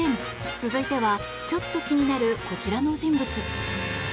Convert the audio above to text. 続いては、ちょっと気になるこちらの人物。